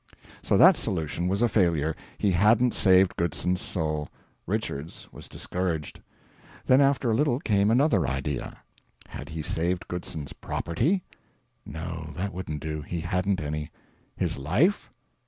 So that solution was a failure he hadn't saved Goodson's soul. Richards was discouraged. Then after a little came another idea: had he saved Goodson's property? No, that wouldn't do he hadn't any. His life?